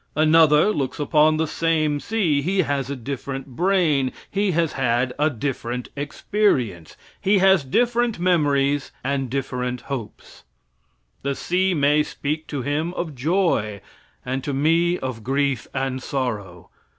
Another looks upon the same sea. He has a different brain, he has had a different experience, he has different memories and different hopes. The sea may speak to him of joy and to me of grief and sorrow.